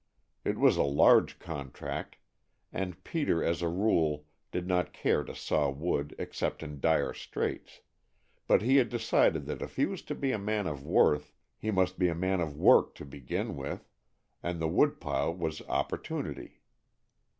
It was a large contract, and Peter as a rule did not care to saw wood except in dire straits, but he had decided that if he was to be a man of worth he must be a man of work to begin with, and the wood pile was opportunity.